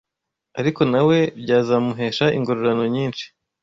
ariko na we byazamuhesha ingororano nyinshi.